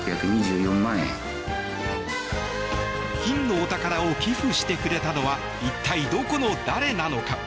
金のお宝を寄付してくれたのは一体どこの誰なのか。